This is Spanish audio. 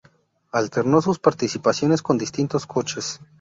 Alternó sus participaciones con distintos coches.